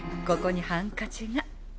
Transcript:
ここにハンカチが。